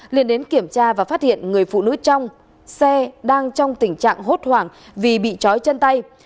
liền đến kiểm tra và phát hiện người phụ nữ trong xe đang trong tình trạng hốt hoảng vì bị chói chân tay